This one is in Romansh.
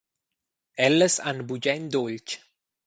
Ellas han bugen dultsch.